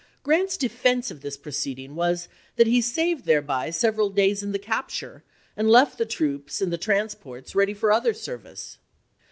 Grant's defense of this proceeding was that he saved thereby several days in the capture and left the troops and the trans ports ready for other service.